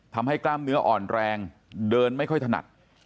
กล้ามเนื้ออ่อนแรงเดินไม่ค่อยถนัด